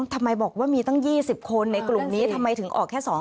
ทำไมบอกว่ามีตั้ง๒๐คนในกลุ่มนี้ทำไมถึงออกแค่๒๐